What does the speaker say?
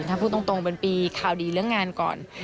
ถ้าพูดตรงเป็นปีข่าวดีเรื่องงานก่อน